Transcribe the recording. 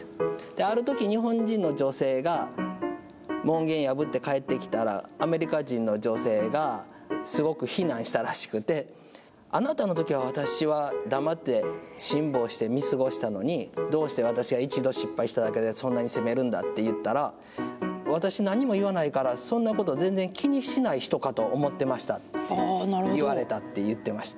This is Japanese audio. あるとき、日本人の女性が門限破って帰ってきたら、アメリカ人の女性が、すごく非難したらしくて、あなたのときは、私は黙って辛抱して見過ごしたのに、どうして私は一度失敗しただけで、そんなに責めるんだって言ったら、私、なんにも言わないから、そんなこと全然気にしない人かと思ってましたと言われたって言ってました。